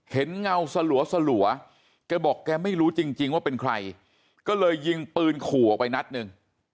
เงาสลัวแกบอกแกไม่รู้จริงว่าเป็นใครก็เลยยิงปืนขู่ออกไปนัดหนึ่ง